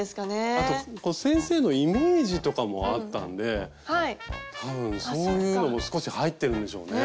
あと先生のイメージとかもあったんで多分そういうのも少し入ってるんでしょうね。